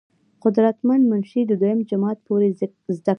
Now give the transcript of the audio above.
قدر مند منشي د دويم جمات پورې زدکړې